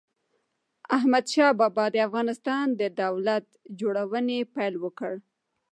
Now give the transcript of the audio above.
احمد شاه بابا د افغانستان د دولت جوړونې پيل وکړ.